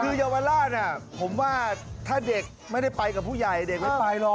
คือเยาวราชผมว่าถ้าเด็กไม่ได้ไปกับผู้ใหญ่เด็กไม่ไปหรอก